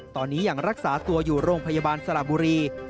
ตอนนี้ยังรักษาตัวอยู่โรงพยาบาลสระบุรี